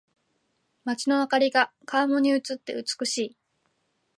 街の灯りが川面に映って美しい。